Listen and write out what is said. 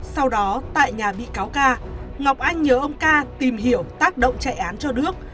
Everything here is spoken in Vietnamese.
sau đó tại nhà bị cáo ca ngọc anh nhờ ông ca tìm hiểu tác động chạy án cho đức